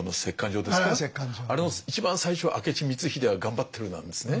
あれの一番最初は明智光秀は頑張ってるなんですね。